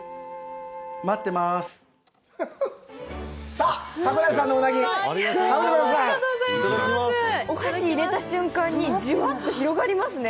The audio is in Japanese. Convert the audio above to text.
さぁ桜家さんのうなぎ食べてくださいお箸入れた瞬間にじゅわっと広がりますね